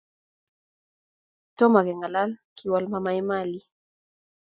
Tomokengalal kiwol mama Emali